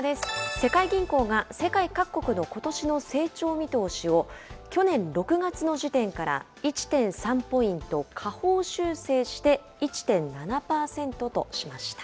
世界銀行が、世界各国のことしの成長見通しを、去年６月の時点から１．３ポイント下方修正して、１．７％としました。